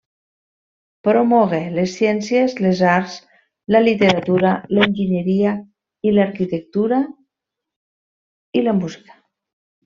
Promogué les ciències, les arts, la literatura, l'enginyeria i l'arquitectura, i la música.